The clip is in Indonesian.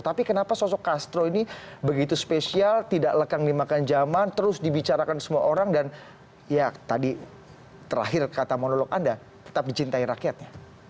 tapi kenapa sosok castro ini begitu spesial tidak lekang dimakan zaman terus dibicarakan semua orang dan ya tadi terakhir kata monolog anda tetap dicintai rakyatnya